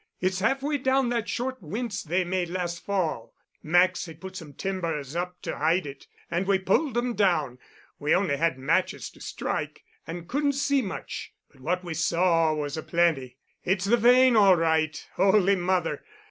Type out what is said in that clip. It's half way down that short winze they made last fall. Max had put some timbers up to hide it, and we pulled 'em down. We only had matches to strike and couldn't see much, but what we saw was a plenty. It's the vein, all right. Holy Mother!